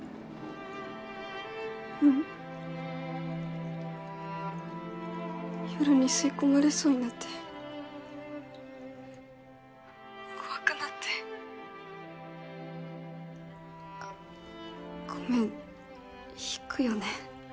うん夜に吸い込まれそうになって☎怖くなってあごめん引くよね